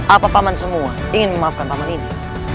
apa paman semua ingin memaafkan paman ini